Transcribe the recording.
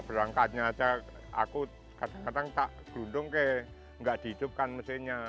berangkatnya aku kadang kadang tak gendong kayak gak dihidupkan mesinnya